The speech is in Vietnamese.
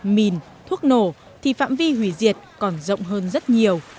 mìn thuốc nổ thì phạm vi hủy diệt còn rộng hơn rất nhiều